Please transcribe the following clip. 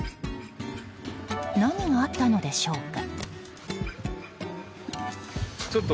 何があったのでしょうか。